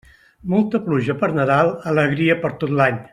Molta pluja per Nadal, alegria per tot l'any.